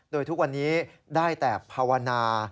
โดยทุกวันนี้ได้แต่ภาวนา